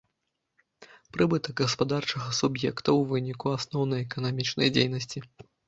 Прыбытак гаспадарчага суб'екта ў выніку асноўнай эканамічнай дзейнасці.